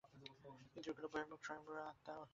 ইন্দ্রিয়গুলি বহির্মুখ, কিন্তু স্বয়ম্ভূ আত্মা অন্তর্মুখ।